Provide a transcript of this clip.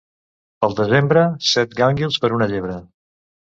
Pel desembre, set gànguils per una llebre.